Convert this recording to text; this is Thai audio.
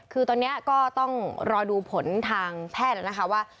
คือตอนนี้ก็ต้องรอดูผลทางแพทย์แล้วนะคะว่า